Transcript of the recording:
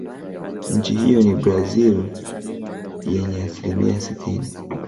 Nchi hiyo ni Blazil yenye asilimia sitini